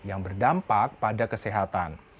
yang berdampak pada kesehatan